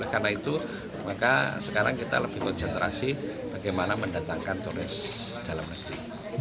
karena itu maka sekarang kita lebih konsentrasi bagaimana mendatangkan turis dalam negeri